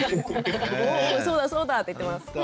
そうだそうだって言ってます。